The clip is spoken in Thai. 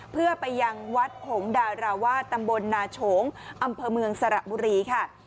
เพื่อไปยังวัดหงดาราวาสตำบลนาโฉงอำเภอเมืองสระบุรีค่ะ